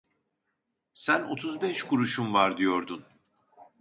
Sen otuz beş kuruşum var, diyordun!